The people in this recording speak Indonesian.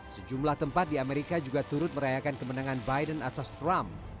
sejumlah tempat di amerika juga turut merayakan kemenangan biden atas trump